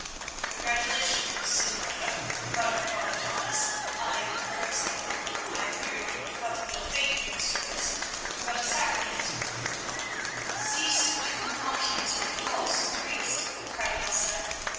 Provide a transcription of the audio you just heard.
"Congratulations! Señora," muttered Father Thomas, eyeing her nervously. "I fear you felt a little faint during the service, but a sacrament——" "Cease your mockings, you false priest," cried Elsa.